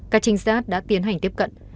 các trinh sát đã tiến hành tiếp cận